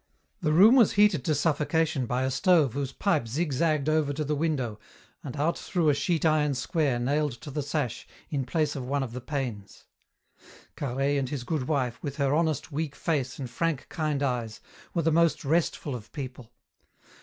The room was heated to suffocation by a stove whose pipe zigzagged over to the window and out through a sheet iron square nailed to the sash in place of one of the panes. Carhaix and his good wife, with her honest, weak face and frank, kind eyes, were the most restful of people.